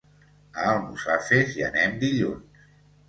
A Almussafes hi anem dilluns.